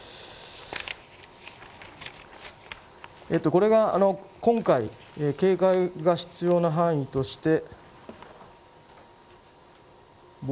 これが今回警戒が必要な範囲として。